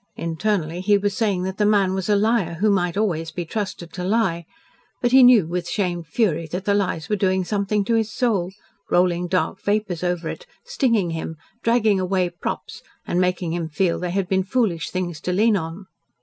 Internally he was saying that the man was a liar who might always be trusted to lie, but he knew with shamed fury that the lies were doing something to his soul rolling dark vapours over it stinging him, dragging away props, and making him feel they had been foolish things to lean on.